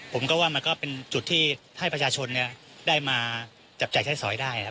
ผมก็ว่ามันก็เป็นจุดที่ให้ประชาชนได้มาจับจ่ายใช้สอยได้